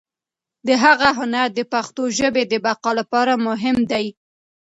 د هغه هنر د پښتو ژبې د بقا لپاره مهم دی.